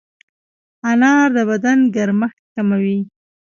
انار د بدن ګرمښت کموي.